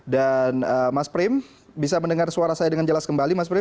dan mas prima bisa mendengar suara saya dengan jelas kembali mas prima